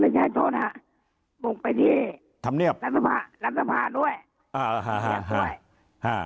ไม่ใช่โทษฮะหมุกไปที่ทำเนียบรัฐภาคมรัฐภาคมด้วยอ่าฮ่าฮ่า